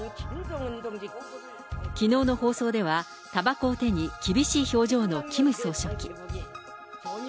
きのうの放送では、たばこを手に、厳しい表情のキム総書記。